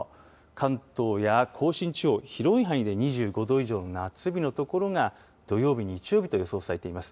関東や甲信地方、広い範囲で２５度以上の夏日の所が、土曜日、日曜日と予想されています。